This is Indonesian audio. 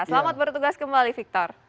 selamat bertugas kembali victor